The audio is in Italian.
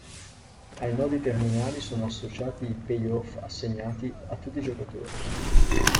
Ai nodi terminali sono associati i payoff assegnati a tutti i giocatori.